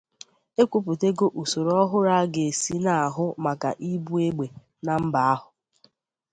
ekwuputego usoro ọhụru a ga-esi na-ahụ maka ibu egbe na mba ahụ